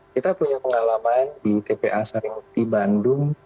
kita punya pengalaman di tpa sari mukti bandung